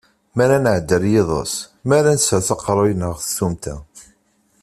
Mi ara nɛedi ɣer yiḍes, mi ara nsers aqerruy-nneɣ ɣer tsumta.